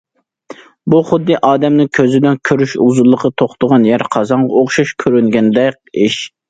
بۇ خۇددى ئادەمنىڭ كۆزىنىڭ كۆرۈش ئۇزۇنلۇقى توختىغان يەر قازانغا ئوخشاش كۆرۈنگەندەك ئىش.